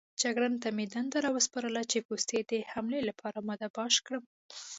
جګړن ما ته دنده راوسپارله چې پوستې د حملې لپاره اماده باش کړم.